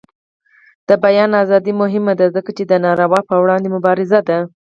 د بیان ازادي مهمه ده ځکه چې د ناروا پر وړاندې مبارزه ده.